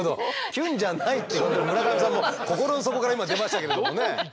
キュンじゃないって村上さんも心の底から今出ましたけどもね。